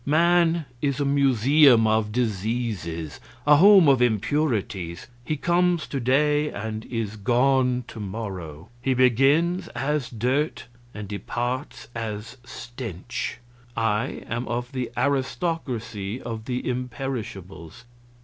Man is a museum of diseases, a home of impurities; he comes to day and is gone to morrow; he begins as dirt and departs as stench; I am of the aristocracy of the Imperishables.